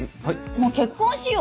もう結婚しよう！